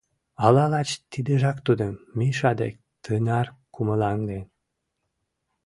Ала лач тидыжак тудым Миша дек тынар кумылаҥден.